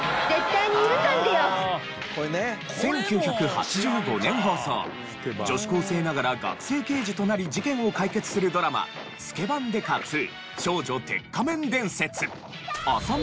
１９８５年放送女子高生ながら学生刑事となり事件を解決するドラマ『スケバン刑事Ⅱ少女鉄仮面伝説』。